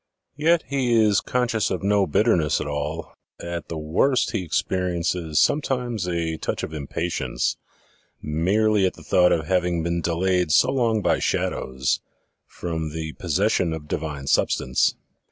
Yet he is conscious of no bitterness at all at the worst he experiences sometimes a touch of impatience merely at the thought of having been delayed so PREFACE ix long by shadows from the possession of divine substance.